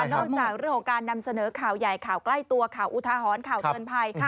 นอกจากเรื่องของการนำเสนอข่าวใหญ่ข่าวใกล้ตัวข่าวอุทาหรณ์ข่าวเตือนภัย